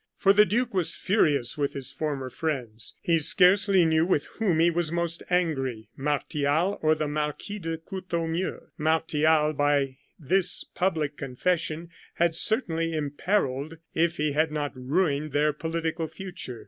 For the duke was furious with his former friends. He scarcely knew with whom he was most angry, Martial or the Marquis de Courtornieu. Martial, by this public confession, had certainly imperilled, if he had not ruined, their political future.